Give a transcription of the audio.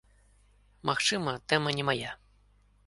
Магчыма, тэма не мая.